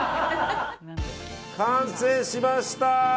完成しました！